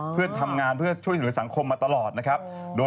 เพื่อนทำงานเพื่อช่วยเหลือสังคมมาตลอดนะครับ